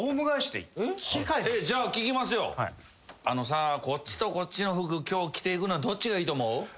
あのさこっちとこっちの服今日着ていくのどっちがいいと思う？